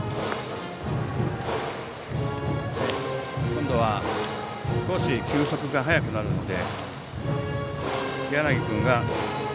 今度は少し球速が速くなるので。